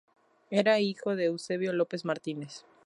Era hijo de Eusebio López Martínez.